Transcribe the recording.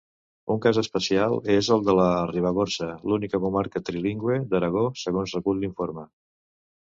Un cas especial és el de la Ribagorça, l'única comarca trilingüe d'Aragó, segons recull l'informe.